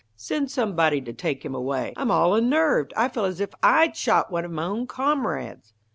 Send somebody to take him away. I'm all unnerved. I feel as if I'd shot one of my own comrades."